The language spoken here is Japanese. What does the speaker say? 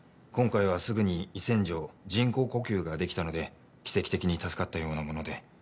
今回はすぐに胃洗浄人工呼吸ができたので奇跡的に助かったようなもので。